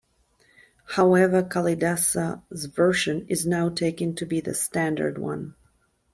However, Kalidasa's version is now taken to be the standard one.